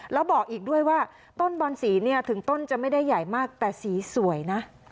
แล้วบอกอีกด้วยว่าต้นบอนสีเนี่ยถึงต้นจะไม่ได้ใหญ่มากแต่สีสวยนะ